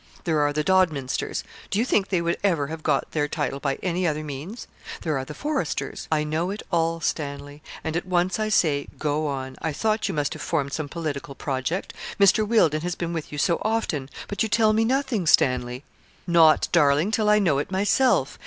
There are the Dodminsters. Do you think they would ever have got their title by any other means? There are the Forresters ' 'I know it all, Stanley; and at once I say, go on. I thought you must have formed some political project, Mr. Wealdon has been with you so often; but you tell me nothing, Stanley.' 'Not, darling, till I know it myself.